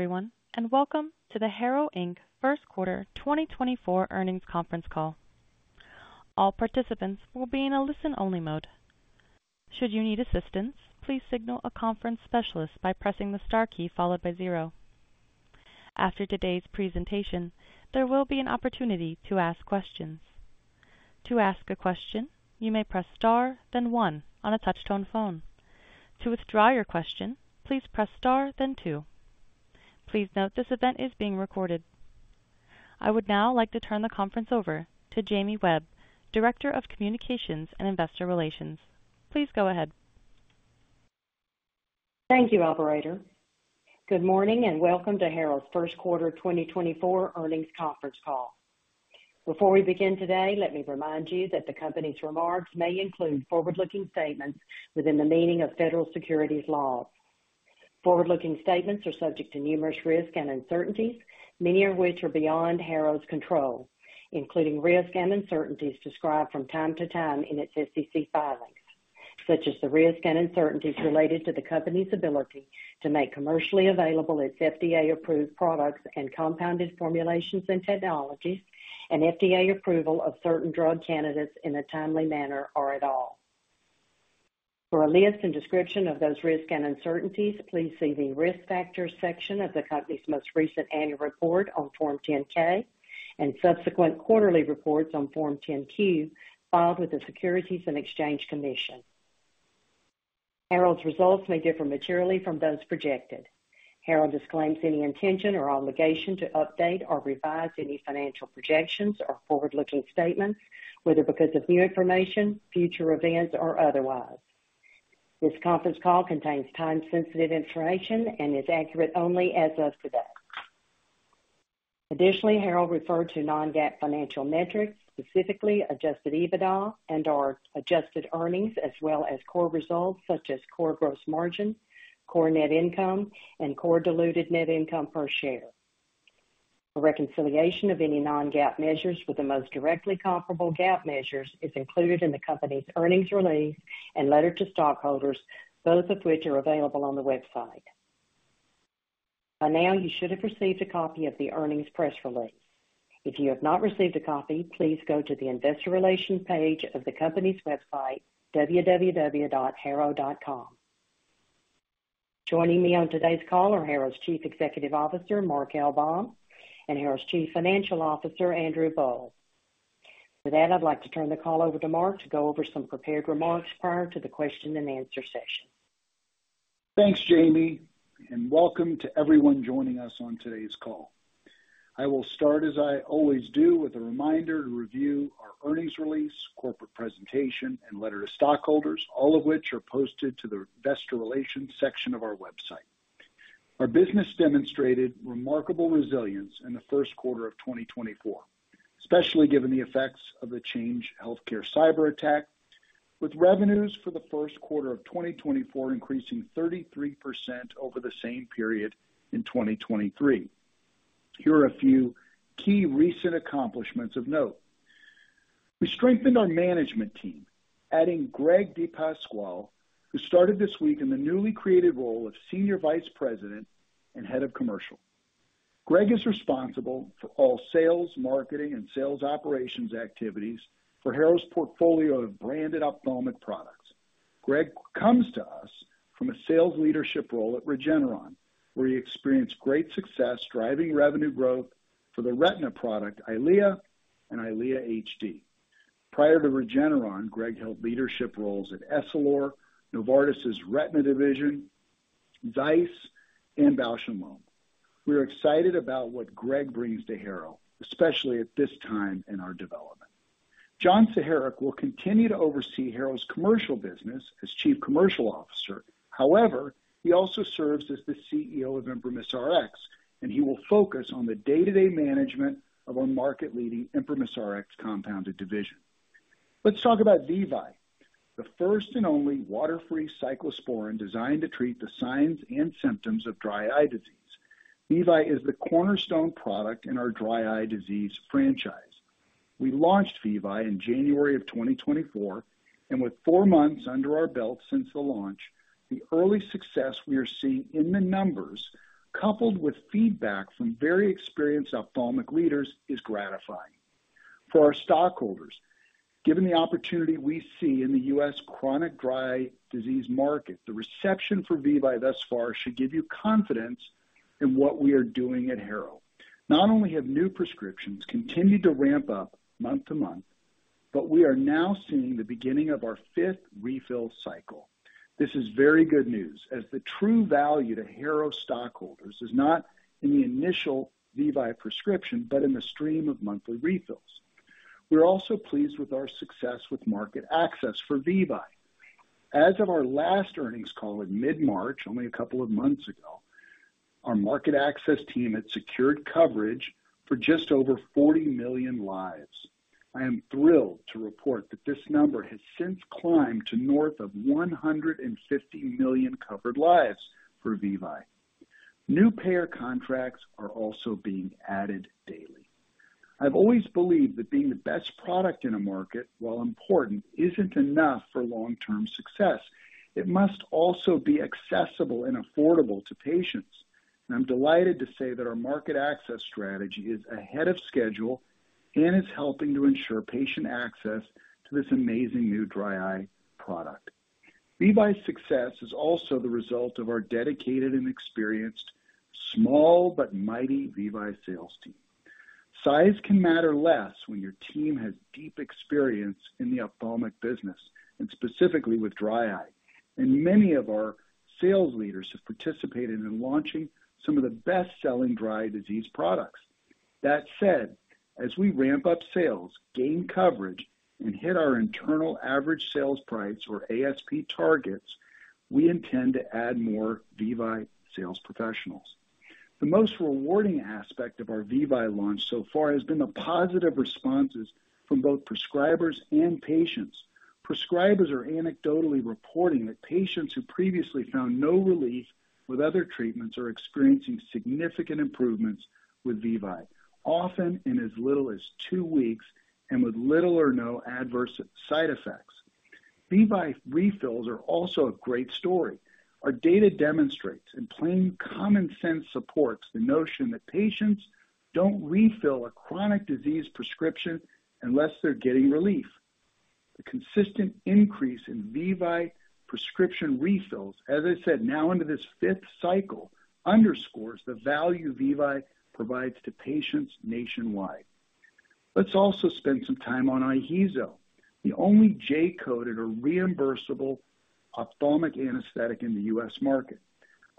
Everyone, and welcome to the Harrow Inc. first quarter 2024 earnings conference call. All participants will be in a listen-only mode. Should you need assistance, please signal a conference specialist by pressing the star key followed by zero. After today's presentation, there will be an opportunity to ask questions. To ask a question, you may press star, then one on a touch-tone phone. To withdraw your question, please press star, then two. Please note, this event is being recorded. I would now like to turn the conference over to Jamie Webb, Director of Communications and Investor Relations. Please go ahead. Thank you, operator. Good morning, and welcome to Harrow's first quarter 2024 earnings conference call. Before we begin today, let me remind you that the company's remarks may include forward-looking statements within the meaning of federal securities laws. Forward-looking statements are subject to numerous risks and uncertainties, many of which are beyond Harrow's control, including risks and uncertainties described from time to time in its SEC filings, such as the risks and uncertainties related to the company's ability to make commercially available its FDA-approved products and compounded formulations and technologies, and FDA approval of certain drug candidates in a timely manner or at all. For a list and description of those risks and uncertainties, please see the Risk Factors section of the company's most recent annual report on Form 10-K and subsequent quarterly reports on Form 10-Q filed with the Securities and Exchange Commission. Harrow's results may differ materially from those projected. Harrow disclaims any intention or obligation to update or revise any financial projections or forward-looking statements, whether because of new information, future events, or otherwise. This conference call contains time-sensitive information and is accurate only as of today. Additionally, Harrow referred to non-GAAP financial metrics, specifically Adjusted EBITDA and/or Adjusted earnings, as well as core results such as Core gross margin, Core net income, and Core diluted net income per share. A reconciliation of any non-GAAP measures with the most directly comparable GAAP measures is included in the company's earnings release and letter to stockholders, both of which are available on the website. By now, you should have received a copy of the earnings press release. If you have not received a copy, please go to the investor relations page of the company's website, www.harrow.com. Joining me on today's call are Harrow's Chief Executive Officer, Mark L. Baum, and Harrow's Chief Financial Officer, Andrew Boll. With that, I'd like to turn the call over to Mark to go over some prepared remarks prior to the question and answer session. Thanks, Jamie, and welcome to everyone joining us on today's call. I will start, as I always do, with a reminder to review our earnings release, corporate presentation, and letter to stockholders, all of which are posted to the investor relations section of our website. Our business demonstrated remarkable resilience in the first quarter of 2024, especially given the effects of the Change Healthcare cyberattack, with revenues for the first quarter of 2024 increasing 33% over the same period in 2023. Here are a few key recent accomplishments of note. We strengthened our management team, adding Greg DiPasquale, who started this week in the newly created role of Senior Vice President and Head of Commercial. Greg is responsible for all sales, marketing, and sales operations activities for Harrow's portfolio of branded ophthalmic products. Greg comes to us from a sales leadership role at Regeneron, where he experienced great success driving revenue growth for the retina product EYLEA and EYLEA HD. Prior to Regeneron, Greg held leadership roles at Essilor, Novartis's Retina Division, ZEISS, and Bausch & Lomb. We are excited about what Greg brings to Harrow, especially at this time in our development. John Saharek will continue to oversee Harrow's commercial business as Chief Commercial Officer. However, he also serves as the CEO of ImprimisRx, and he will focus on the day-to-day management of our market-leading ImprimisRx compounded division. Let's talk about VEVYE, the first and only water-free cyclosporine designed to treat the signs and symptoms of dry eye disease. VEVYE is the cornerstone product in our dry eye disease franchise. We launched VEVYE in January of 2024, and with four months under our belt since the launch, the early success we are seeing in the numbers, coupled with feedback from very experienced ophthalmic leaders, is gratifying. For our stockholders, given the opportunity we see in the U.S. chronic dry eye disease market, the reception for VEVYE thus far should give you confidence in what we are doing at Harrow. Not only have new prescriptions continued to ramp up month-to-month, but we are now seeing the beginning of our fifth refill cycle. This is very good news, as the true value to Harrow stockholders is not in the initial VEVYE prescription, but in the stream of monthly refills. We're also pleased with our success with market access for VEVYE. As of our last earnings call in mid-March, only a couple of months ago, our market access team had secured coverage for just over 40 million lives. I am thrilled to report that this number has since climbed to north of 150 million covered lives for VEVYE. New payer contracts are also being added daily. I've always believed that being the best product in a market, while important, isn't enough for long-term success. It must also be accessible and affordable to patients. I'm delighted to say that our market access strategy is ahead of schedule and is helping to ensure patient access to this amazing new dry eye product. VEVYE success is also the result of our dedicated and experienced, small but mighty VEVYE sales team. Size can matter less when your team has deep experience in the ophthalmic business, and specifically with dry eye. Many of our sales leaders have participated in launching some of the best-selling dry eye disease products. That said, as we ramp up sales, gain coverage, and hit our internal average sales price or ASP targets, we intend to add more VEVYE sales professionals. The most rewarding aspect of our VEVYE launch so far has been the positive responses from both prescribers and patients. Prescribers are anecdotally reporting that patients who previously found no relief with other treatments are experiencing significant improvements with VEVYE, often in as little as two weeks, and with little or no adverse side effects. VEVYE refills are also a great story. Our data demonstrates, and plain common sense supports the notion that patients don't refill a chronic disease prescription unless they're getting relief. The consistent increase in VEVYE prescription refills, as I said, now into this fifth cycle, underscores the value VEVYE provides to patients nationwide. Let's also spend some time on IHEEZO, the only J-coded or reimbursable ophthalmic anesthetic in the U.S. market.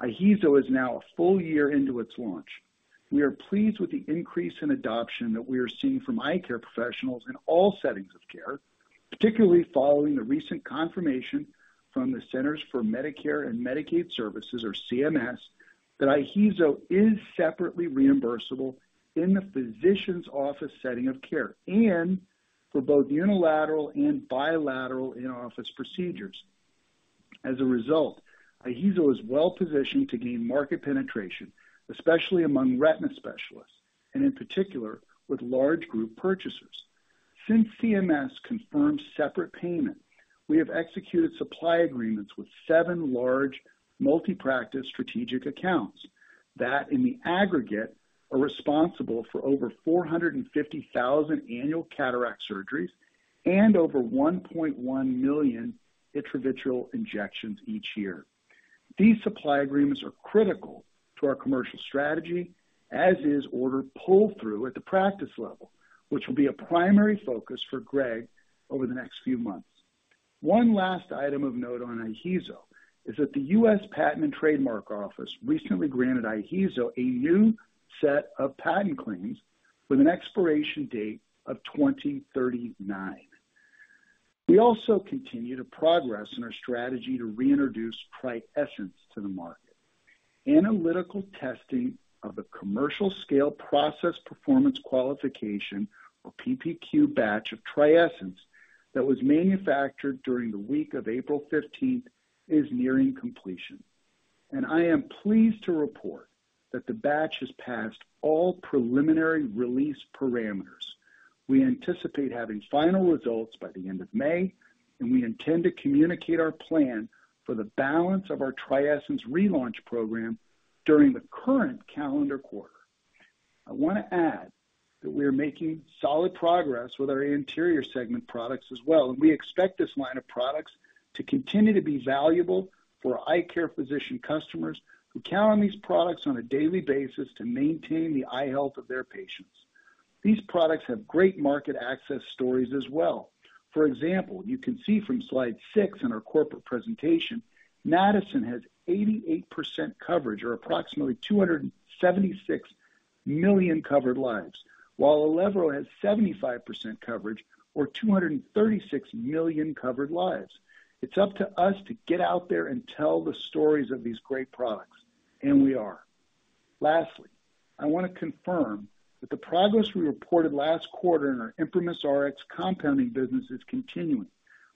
IHEEZO is now a full year into its launch. We are pleased with the increase in adoption that we are seeing from eye care professionals in all settings of care, particularly following the recent confirmation from the Centers for Medicare and Medicaid Services, or CMS, that IHEEZO is separately reimbursable in the physician's office setting of care and for both unilateral and bilateral in-office procedures. As a result, IHEEZO is well positioned to gain market penetration, especially among retina specialists and in particular with large group purchasers. Since CMS confirmed separate payment, we have executed supply agreements with seven large multi-practice strategic accounts that, in the aggregate, are responsible for over 450,000 annual cataract surgeries and over 1.1 million intravitreal injections each year. These supply agreements are critical to our commercial strategy, as is order pull-through at the practice level, which will be a primary focus for Greg over the next few months. One last item of note on IHEEZO is that the U.S. Patent and Trademark Office recently granted IHEEZO a new set of patent claims with an expiration date of 2039. We also continue to progress in our strategy to reintroduce TRIESENCE to the market. Analytical testing of the commercial scale process performance qualification, or PPQ batch of TRIESENCE that was manufactured during the week of April 15th, is nearing completion, and I am pleased to report that the batch has passed all preliminary release parameters. We anticipate having final results by the end of May, and we intend to communicate our plan for the balance of our TRIESENCE relaunch program during the current calendar quarter. I want to add that we are making solid progress with our anterior segment products as well, and we expect this line of products to continue to be valuable for eye care physician customers who count on these products on a daily basis to maintain the eye health of their patients. These products have great market access stories as well. For example, you can see from slide 6 in our corporate presentation, MAXITROL has 88% coverage, or approximately 276 million covered lives, while ILEVRO has 75% coverage or 236 million covered lives. It's up to us to get out there and tell the stories of these great products, and we are. Lastly, I want to confirm that the progress we reported last quarter in our ImprimisRx compounding business is continuing.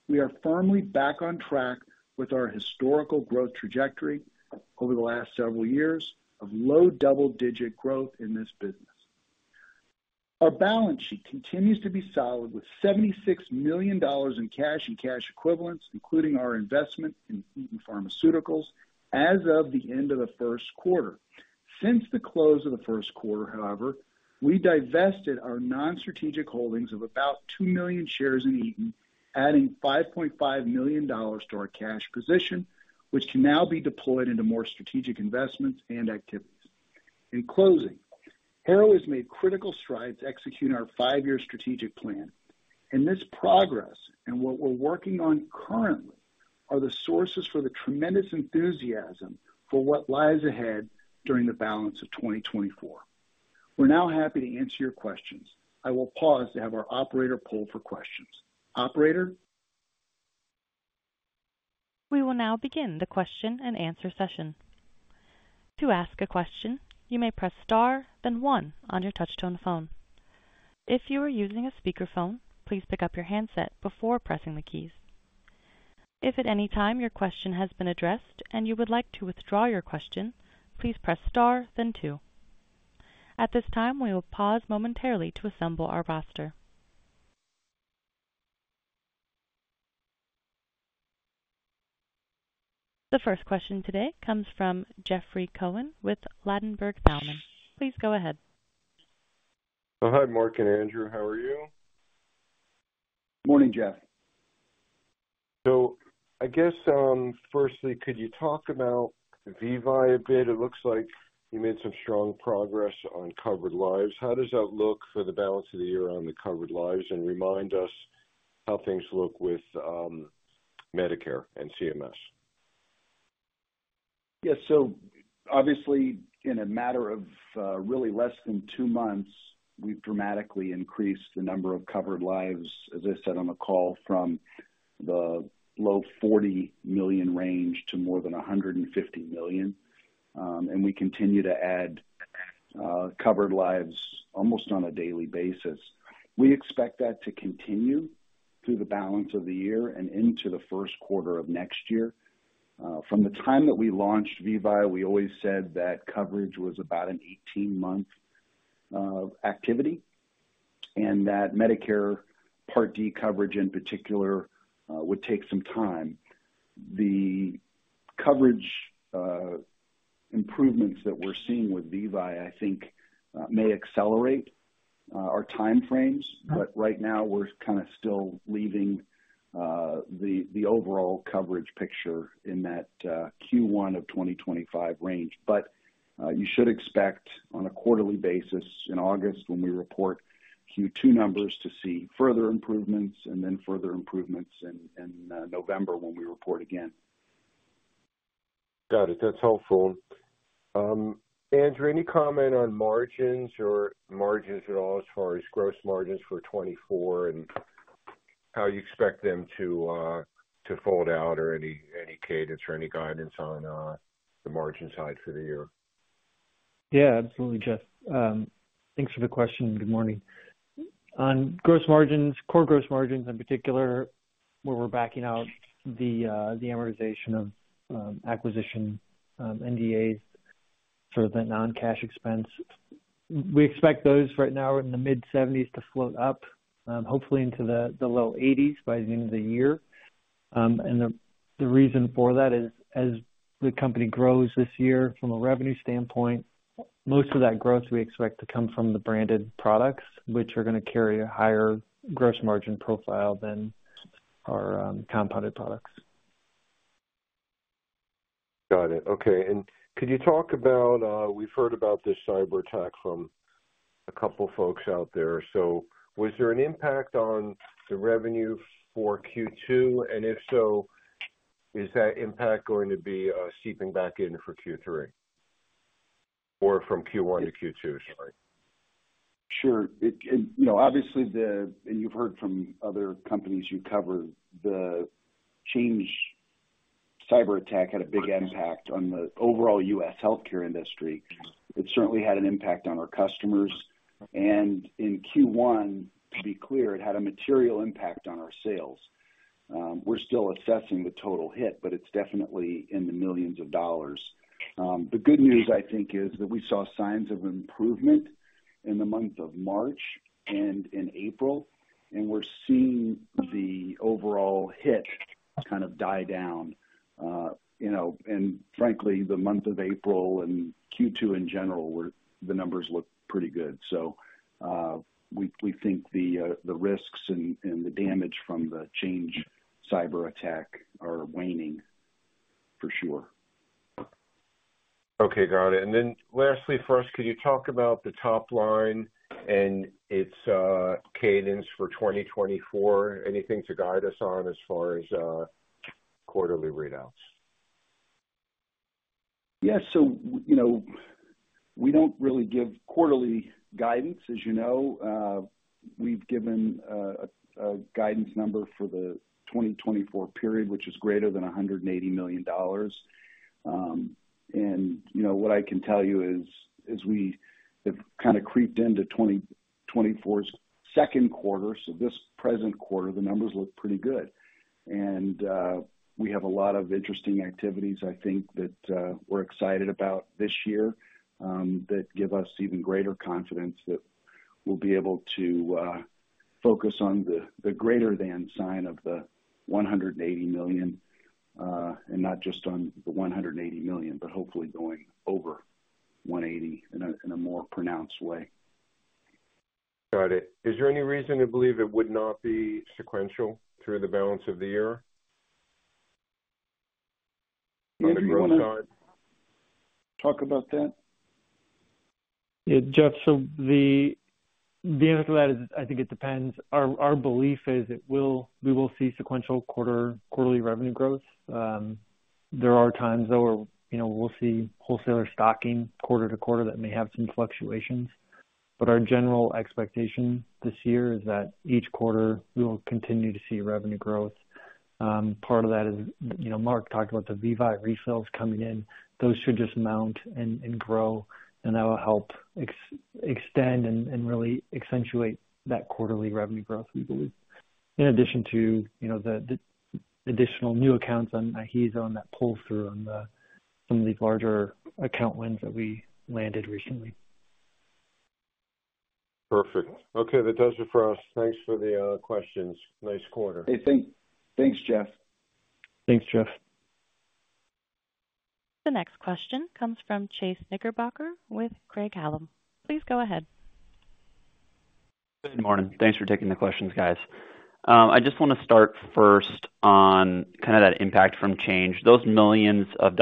We are firmly back on track with our historical growth trajectory over the last several years of low double-digit growth in this business. Our balance sheet continues to be solid, with $76 million in cash and cash equivalents, including our investment in Eton Pharmaceuticals, as of the end of the first quarter. Since the close of the first quarter, however, we divested our non-strategic holdings of about 2 million shares in Eton, adding $5.5 million to our cash position, which can now be deployed into more strategic investments and activities. In closing, Harrow has made critical strides to execute our five-year strategic plan, and this progress and what we're working on currently are the sources for the tremendous enthusiasm for what lies ahead during the balance of 2024. We're now happy to answer your questions. I will pause to have our operator poll for questions. Operator? We will now begin the question-and-answer session. To ask a question, you may press Star, then one on your touchtone phone. If you are using a speakerphone, please pick up your handset before pressing the keys... If at any time your question has been addressed and you would like to withdraw your question, please press Star, then two. At this time, we will pause momentarily to assemble our roster. The first question today comes from Jeffrey Cohen with Ladenburg Thalmann. Please go ahead. Hi, Mark and Andrew. How are you? Morning, Jeff. So I guess, firstly, could you talk about VEVYE a bit? It looks like you made some strong progress on covered lives. How does that look for the balance of the year on the covered lives? And remind us how things look with, Medicare and CMS. Yes. So obviously, in a matter of really less than two months, we've dramatically increased the number of covered lives, as I said on the call, from the low 40 million range to more than 150 million. And we continue to add covered lives almost on a daily basis. We expect that to continue through the balance of the year and into the first quarter of next year. From the time that we launched VEVYE, we always said that coverage was about an 18-month activity, and that Medicare Part D coverage in particular would take some time. The coverage improvements that we're seeing with VEVYE, I think, may accelerate our time frames, but right now we're kind of still leaving the overall coverage picture in that Q1 of 2025 range. You should expect on a quarterly basis in August, when we report Q2 numbers, to see further improvements and then further improvements in November, when we report again. Got it. That's helpful. Andrew, any comment on margins or margins at all as far as gross margins for 2024 and how you expect them to fold out, or any cadence or any guidance on the margin side for the year? Yeah, absolutely, Jeff. Thanks for the question, and good morning. On gross margins, core gross margins in particular, where we're backing out the amortization of acquisition NDAs for the non-cash expense. We expect those right now in the mid-70s% to float up, hopefully into the low 80s% by the end of the year. And the reason for that is, as the company grows this year from a revenue standpoint, most of that growth we expect to come from the branded products, which are going to carry a higher gross margin profile than our compounded products. Got it. Okay. And could you talk about... We've heard about this cyberattack from a couple folks out there. So was there an impact on the revenue for Q2? And if so, is that impact going to be seeping back in for Q3 or from Q1 to Q2? Sorry. Sure. You know, obviously, the Change Healthcare cyberattack had a big impact on the overall U.S. healthcare industry. It certainly had an impact on our customers, and in Q1, to be clear, it had a material impact on our sales. We're still assessing the total hit, but it's definitely in the $ millions. The good news, I think, is that we saw signs of improvement in the month of March and in April, and we're seeing the overall hit kind of die down. You know, and frankly, the month of April and Q2 in general were; the numbers look pretty good. So, we think the risks and the damage from the Change Healthcare cyberattack are waning for sure. Okay, got it. And then lastly for us, could you talk about the top line and its cadence for 2024? Anything to guide us on as far as quarterly readouts? Yes. So, you know, we don't really give quarterly guidance. As you know, we've given a guidance number for the 2024 period, which is greater than $180 million. And you know, what I can tell you is, as we have kind of creeped into 2024's second quarter, so this present quarter, the numbers look pretty good. And we have a lot of interesting activities, I think, that we're excited about this year, that give us even greater confidence that we'll be able to focus on the greater than sign of the $180 million, and not just on the $180 million, but hopefully going over $180 million in a more pronounced way. Got it. Is there any reason to believe it would not be sequential through the balance of the year on the growth side? Talk about that? Yeah, Jeff. So the answer to that is, I think it depends. Our belief is we will see sequential quarterly revenue growth. There are times, though, where, you know, we'll see wholesaler stocking quarter to quarter that may have some fluctuations, but our general expectation this year is that each quarter we will continue to see revenue growth. Part of that is, you know, Mark talked about the VEVYE resales coming in. Those should just mount and grow, and that will help extend and really accentuate that quarterly revenue growth, we believe. In addition to, you know, the additional new accounts on IHEEZO that pull through on some of the larger account wins that we landed recently. Perfect. Okay, that does it for us. Thanks for the questions. Nice quarter. Hey, thanks, Jeff. Thanks, Jeff. The next question comes from Chase Knickerbocker with Craig-Hallum. Please go ahead. Good morning. Thanks for taking the questions, guys. I just want to start first on kinda that impact from Change, those $ millions of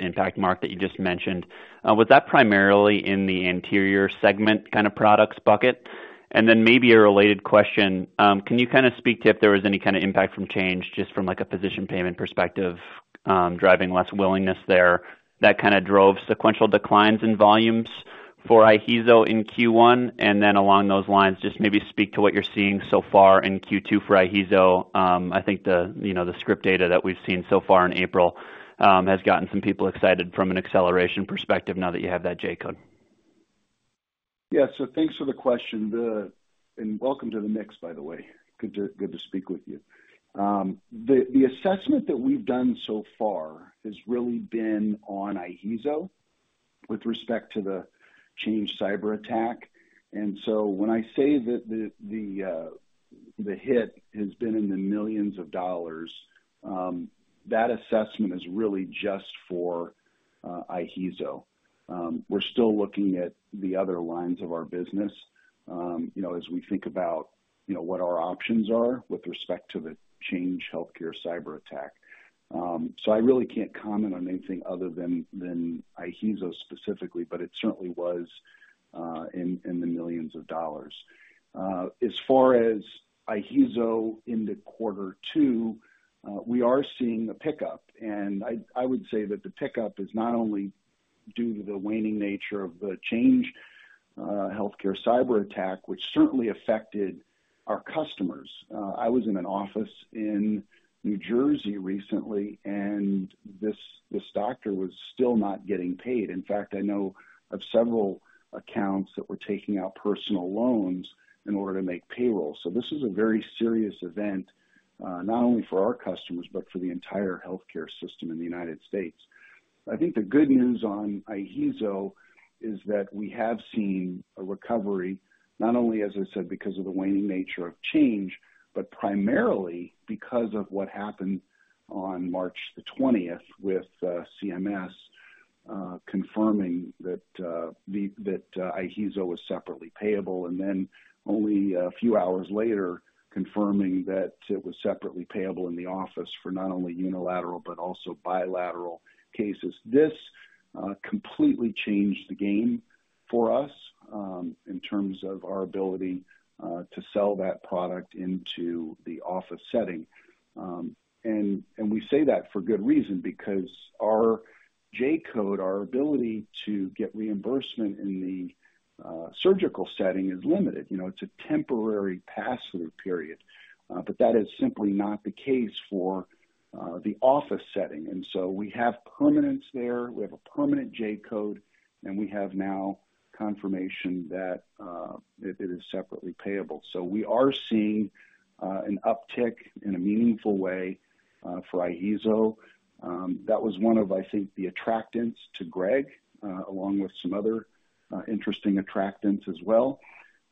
impact, Mark, that you just mentioned, was that primarily in the anterior segment kind of products bucket? And then maybe a related question, can you kinda speak to if there was any kind of impact from Change, just from, like, a prescription payment perspective, driving less willingness there, that kinda drove sequential declines in volumes for IHEEZO in Q1? And then along those lines, just maybe speak to what you're seeing so far in Q2 for IHEEZO. I think the, you know, the script data that we've seen so far in April, has gotten some people excited from an acceleration perspective now that you have that J-code. Yeah, so thanks for the question. And welcome to the mix, by the way. Good to speak with you. The assessment that we've done so far has really been on IHEEZO with respect to the Change Healthcare cyberattack. And so when I say that the hit has been in the millions of dollars, that assessment is really just for IHEEZO. We're still looking at the other lines of our business, you know, as we think about, you know, what our options are with respect to the Change Healthcare cyberattack. So I really can't comment on anything other than IHEEZO specifically, but it certainly was in the millions of dollars. As far as IHEEZO into quarter two, we are seeing a pickup, and I would say that the pickup is not only due to the waning nature of the Change Healthcare cyberattack, which certainly affected our customers. I was in an office in New Jersey recently, and this doctor was still not getting paid. In fact, I know of several accounts that were taking out personal loans in order to make payroll. So this is a very serious event, not only for our customers, but for the entire healthcare system in the United States. I think the good news on IHEEZO is that we have seen a recovery, not only, as I said, because of the waning nature of Change, but primarily because of what happened on March the 20th, with CMS confirming that IHEEZO was separately payable, and then only a few hours later, confirming that it was separately payable in the office for not only unilateral, but also bilateral cases. This completely changed the game for us, in terms of our ability to sell that product into the office setting. And we say that for good reason, because our J-code, our ability to get reimbursement in the surgical setting is limited. You know, it's a temporary pass-through period, but that is simply not the case for the office setting. And so we have permanence there. We have a permanent J-code, and we have now confirmation that it is separately payable. So we are seeing an uptick in a meaningful way for IHEEZO. That was one of, I think, the attractants to Greg, along with some other interesting attractants as well,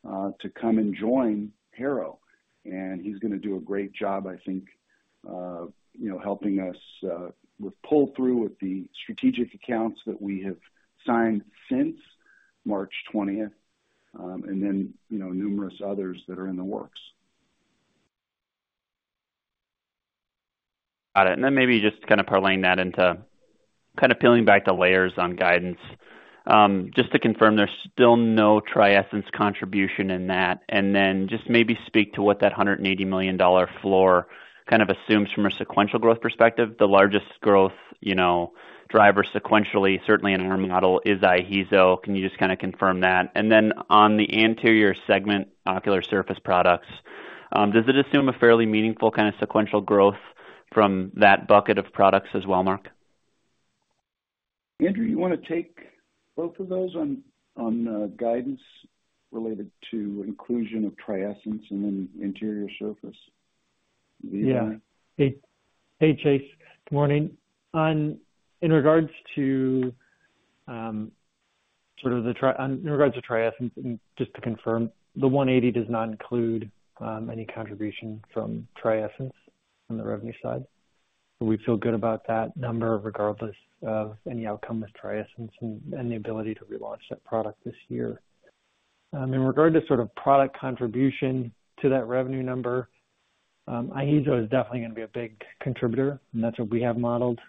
to come and join Harrow. And he's gonna do a great job, I think, you know, helping us with pull-through with the strategic accounts that we have signed since March twentieth, and then, you know, numerous others that are in the works. Got it, and then maybe just kind of parlaying that into kind of peeling back the layers on guidance. Just to confirm, there's still no TRIESENCE contribution in that? And then just maybe speak to what that $180 million floor kind of assumes from a sequential growth perspective. The largest growth, you know, driver sequentially, certainly in our model, is IHEEZO. Can you just kinda confirm that? And then on the anterior segment, ocular surface products, does it assume a fairly meaningful kind of sequential growth from that bucket of products as well, Mark? Andrew, you wanna take both of those on guidance related to inclusion of TRIESENCE and then anterior segment? Yeah. Hey, hey, Chase. Good morning. In regards to TRIESENCE, and just to confirm, the $180 does not include any contribution from TRIESENCE on the revenue side. We feel good about that number regardless of any outcome with TRIESENCE and the ability to relaunch that product this year. In regard to sort of product contribution to that revenue number, IHEEZO is definitely gonna be a big contributor, and that's what we have modeled,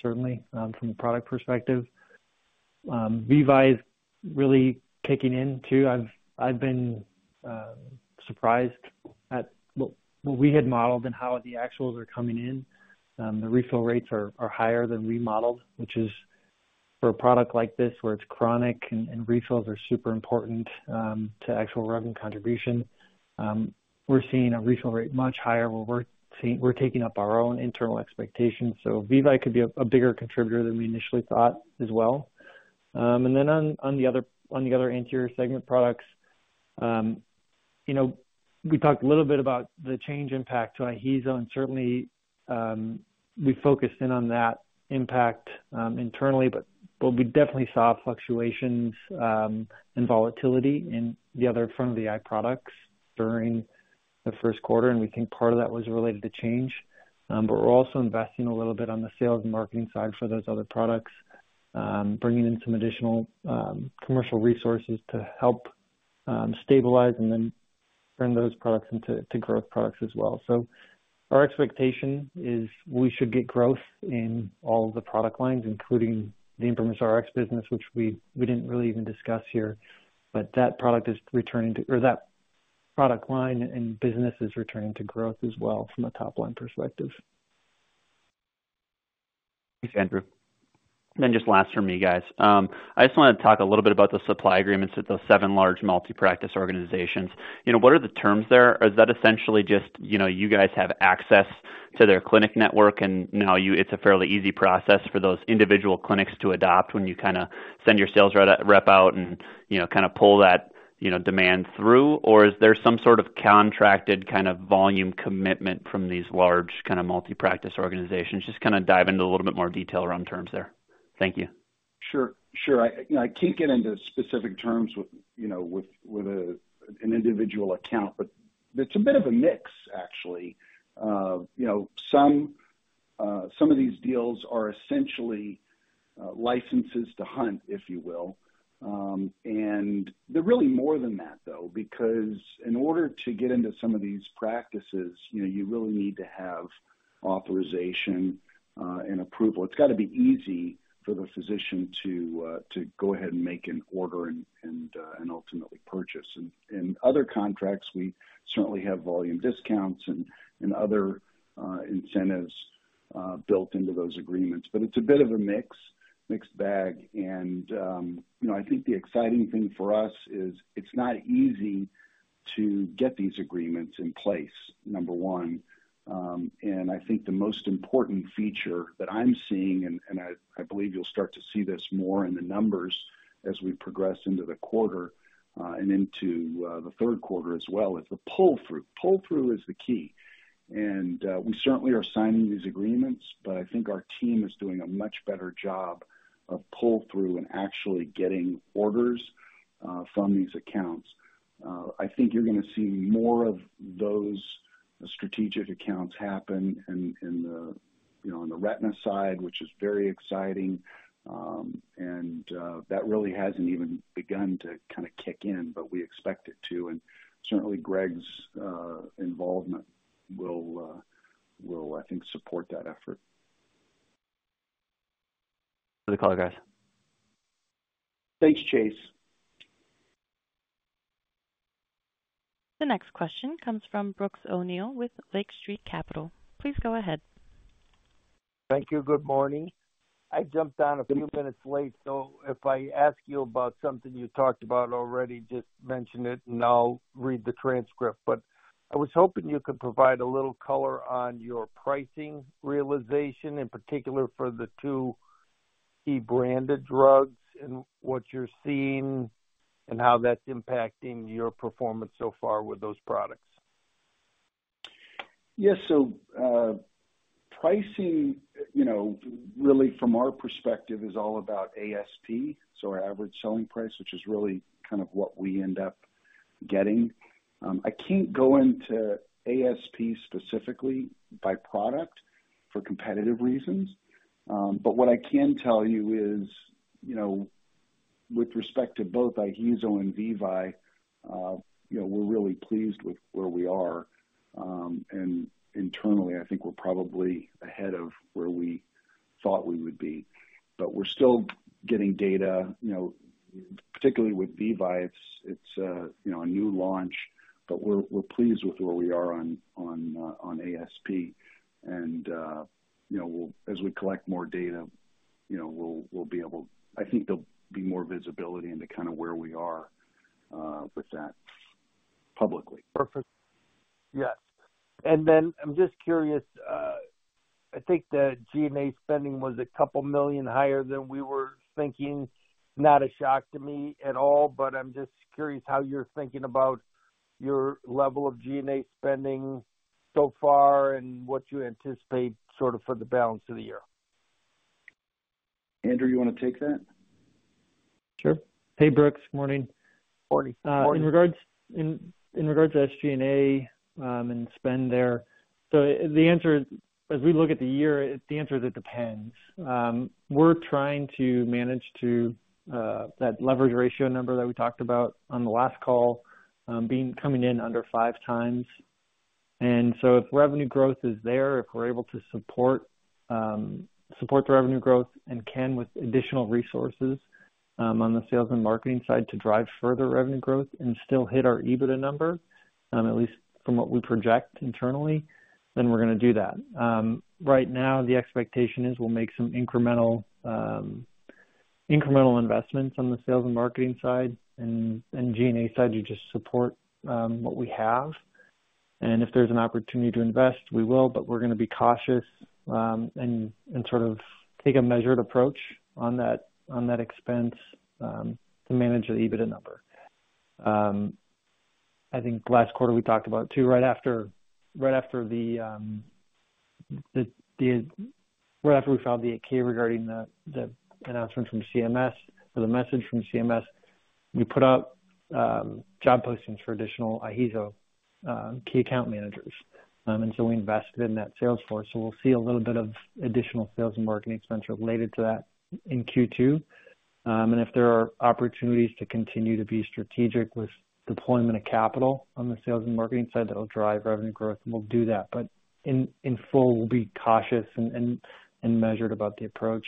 certainly, from a product perspective. VEVYE really kicking in, too. I've been surprised at what we had modeled and how the actuals are coming in. The refill rates are higher than we modeled, which is for a product like this, where it's chronic and refills are super important to actual revenue contribution. We're seeing a refill rate much higher, where we're exceeding our own internal expectations. So VEVYE could be a bigger contributor than we initially thought as well. And then on the other anterior segment products, you know, we talked a little bit about the Change Healthcare impact to IHEEZO, and certainly we focused in on that impact internally. But we definitely saw fluctuations and volatility in the other front of the eye products during the first quarter, and we think part of that was related to Change Healthcare. But we're also investing a little bit on the sales and marketing side for those other products, bringing in some additional commercial resources to help stabilize and then turn those products into growth products as well. So our expectation is we should get growth in all the product lines, including the ImprimisRx business, which we didn't really even discuss here. But that product is returning to—or that product line and business is returning to growth as well from a top-line perspective. Thanks, Andrew. Then just last from me, guys. I just wanna talk a little bit about the supply agreements with those seven large multi-practice organizations. You know, what are the terms there? Is that essentially just, you know, you guys have access to their clinic network, and now you—it's a fairly easy process for those individual clinics to adopt when you kinda send your sales rep out and, you know, kinda pull that, you know, demand through? Or is there some sort of contracted kind of volume commitment from these large kind of multi-practice organizations? Just kinda dive into a little bit more detail around terms there. Thank you. Sure, sure. I, you know, I can't get into specific terms with, you know, with an individual account, but it's a bit of a mix, actually. You know, some of these deals are essentially licenses to hunt, if you will. And they're really more than that, though, because in order to get into some of these practices, you know, you really need to have authorization and approval. It's gotta be easy for the physician to go ahead and make an order and ultimately purchase. And other contracts, we certainly have volume discounts and other incentives built into those agreements, but it's a bit of a mix, mixed bag. And you know, I think the exciting thing for us is it's not easy to get these agreements in place, number one. And I think the most important feature that I'm seeing, and I believe you'll start to see this more in the numbers as we progress into the quarter, and into the third quarter as well, is the pull-through. Pull-through is the key, and we certainly are signing these agreements, but I think our team is doing a much better job of pull-through and actually getting orders from these accounts. I think you're gonna see more of those strategic accounts happen in the, you know, on the retina side, which is very exciting. And that really hasn't even begun to kinda kick in, but we expect it to. And certainly, Greg's involvement will, I think, support that effort. Good call, guys. Thanks, Chase. The next question comes from Brooks O'Neil with Lake Street Capital. Please go ahead. Thank you. Good morning. I jumped on a few minutes late, so if I ask you about something you talked about already, just mention it, and I'll read the transcript. But I was hoping you could provide a little color on your pricing realization, in particular for the two key branded drugs and what you're seeing and how that's impacting your performance so far with those products. Yes, so, pricing, you know, really from our perspective, is all about ASP, so our average selling price, which is really kind of what we end up getting. I can't go into ASP specifically by product for competitive reasons. But what I can tell you is, you know, with respect to both IHEEZO and VEVYE, you know, we're really pleased with where we are. And internally, I think we're probably ahead of where we thought we would be, but we're still getting data, you know, particularly with VEVYE, it's a, you know, a new launch, but we're pleased with where we are on ASP. And, you know, we'll as we collect more data, you know, we'll be able. I think there'll be more visibility into kind of where we are with that publicly. Perfect. Yes. And then I'm just curious. I think the G&A spending was $2 million higher than we were thinking. Not a shock to me at all, but I'm just curious how you're thinking about your level of G&A spending so far and what you anticipate sort of for the balance of the year. Andrew, you wanna take that? Sure. Hey, Brooks, morning. Morning. In regards to SG&A and spend there, so the answer is, as we look at the year, the answer is: it depends. We're trying to manage to that leverage ratio number that we talked about on the last call, coming in under 5x. And so if revenue growth is there, if we're able to support the revenue growth and can with additional resources on the sales and marketing side, to drive further revenue growth and still hit our EBITDA number, at least from what we project internally, then we're gonna do that. Right now, the expectation is we'll make some incremental investments on the sales and marketing side and G&A side to just support what we have. And if there's an opportunity to invest, we will, but we're gonna be cautious, and sort of take a measured approach on that expense to manage the EBITDA number. I think last quarter we talked about, too, right after we filed the 8-K regarding the announcement from CMS or the message from CMS, we put up job postings for additional IHEEZO key account managers. And so we invested in that sales force. So we'll see a little bit of additional sales and marketing expense related to that in Q2. And if there are opportunities to continue to be strategic with deployment of capital on the sales and marketing side, that'll drive revenue growth, and we'll do that. But in full, we'll be cautious and measured about the approach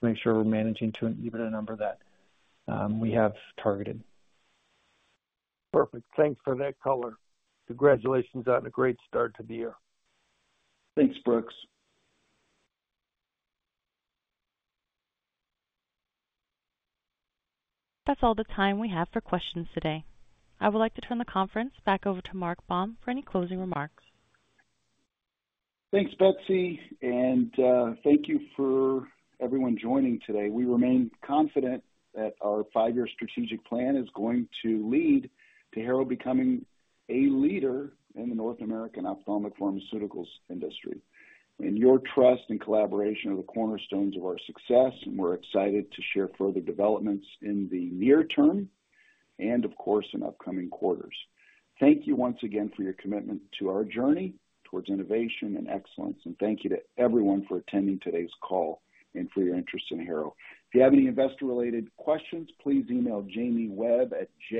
to make sure we're managing to an EBITDA number that we have targeted. Perfect. Thanks for that color. Congratulations on a great start to the year. Thanks, Brooks. That's all the time we have for questions today. I would like to turn the conference back over to Mark Baum for any closing remarks. Thanks, Betsy, and thank you for everyone joining today. We remain confident that our five-year strategic plan is going to lead to Harrow becoming a leader in the North American ophthalmic pharmaceuticals industry. And your trust and collaboration are the cornerstones of our success, and we're excited to share further developments in the near term and, of course, in upcoming quarters. Thank you once again for your commitment to our journey towards innovation and excellence, and thank you to everyone for attending today's call and for your interest in Harrow. If you have any investor-related questions, please email Jamie Webb at J...